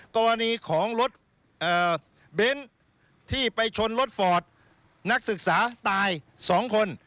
กรณีของรถเบนท์ที่ไปชนรถฟอร์ดนักศึกษาตาย๒คน